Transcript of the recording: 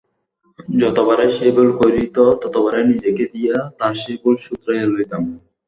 যতবারই সে ভুল করিত ততবারই নিজেকে দিয়া তার সে ভুল শোধরাইয়া লইতাম।